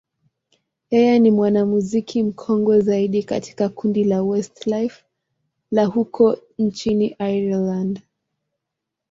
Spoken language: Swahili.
yeye ni mwanamuziki mkongwe zaidi katika kundi la Westlife la huko nchini Ireland.